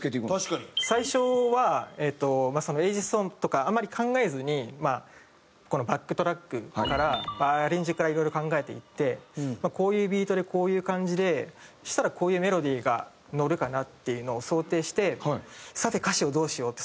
最初はえっとエジソンとかあまり考えずにこのバックトラックからアレンジからいろいろ考えていってこういうビートでこういう感じでそしたらこういうメロディーが乗るかなっていうのを想定してさて歌詞をどうしよう？って